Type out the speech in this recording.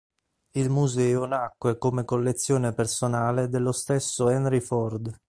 Il museo nacque come collezione personale dello stesso Henry Ford.